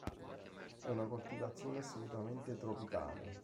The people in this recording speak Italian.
È una coltivazione assolutamente tropicale.